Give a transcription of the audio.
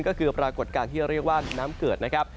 ก็คือปรากฏการณ์ที่เรียกว่าน้ำเกิดนะครับ